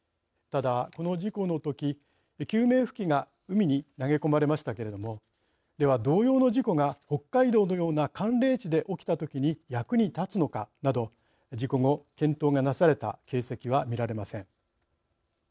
ただ、この事故のとき救命浮器が海に投げ込まれましたけれどもでは同様の事故が北海道のような寒冷地で起きたときに役に立つかなど事故後、検討がなされた形跡は見られません。